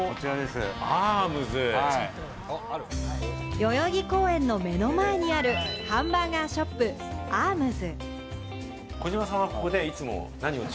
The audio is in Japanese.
代々木公園の目の前にあるハンバーガーショップ、ＡＲＭＳ。